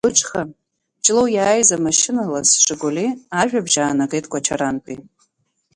Ахәылбыҽха, Ҷлоу иааиз амашьына лас Жигули ажәабжь аанагеит Кәачарантәи.